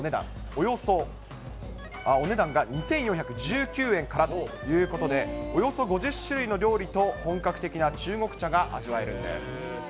およそ、お値段がおよそ２４１９円からということで、およそ５０種類の料理と、本格的な中国茶が味わえるんです。